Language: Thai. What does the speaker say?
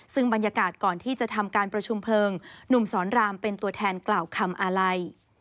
ซึ่งบรรยากาศก่อนที่จะทำการประชุมเพลิงหนุ่มสอนรามเป็นตัวแทนกล่าวคำอาลัย